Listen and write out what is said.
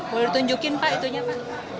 boleh ditunjukin pak itunya pak